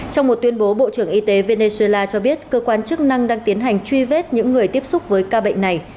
trong một tuyên bố bộ trưởng y tế venezuela cho biết cơ quan chức năng đang tiến hành truy vết những người tiếp xúc với ca bệnh này